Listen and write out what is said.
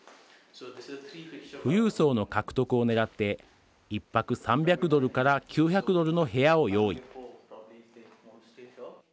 富裕層の獲得を狙って１泊３００ドルから９００ドルの部屋を用意。